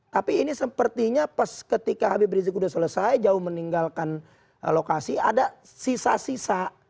tapi ini sepertinya ketika habib rizieq sudah selesai jauh meninggalkan lokasi ada sisa sisa